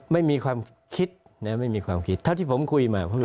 ไม่มีความคิดไม่มีความคิดเท่าที่ผมคุยมา